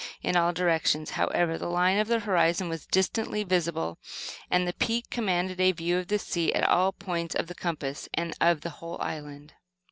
In all directions, however, the line of the horizon was distinctly visible, and the peak commanded a view of the sea at all points of the compass, and of the whole island.